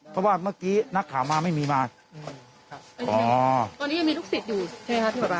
เพราะว่าเมื่อกี้นักข่าวมาไม่มีมาตอนนี้ยังมีลูกศิษย์อยู่ใช่ไหมคะที่หมอปลา